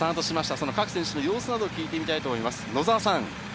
その各選手の様子など、聞いてみたいと思います。